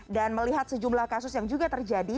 dan melihat sejumlah kasus yang juga terjadi